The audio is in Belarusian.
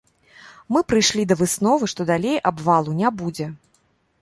Мы прыйшлі да высновы, што далей абвалаў не будзе.